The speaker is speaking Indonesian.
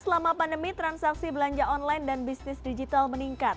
selama pandemi transaksi belanja online dan bisnis digital meningkat